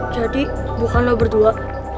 jadi bukan lo berdua